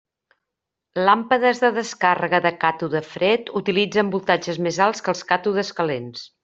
Làmpades de descàrrega de càtode fred utilitzen voltatges més alts que els càtodes calents.